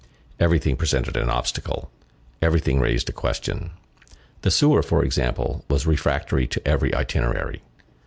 Everything presented an obstacle, everything raised a question. The sewer, for example, was refractory to every itinerary.